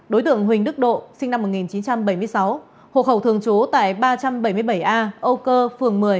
đối tượng huỳnh đức độ sinh năm một nghìn chín trăm bảy mươi sáu hộ khẩu thường trú tại ba trăm bảy mươi bảy a âu cơ phường một mươi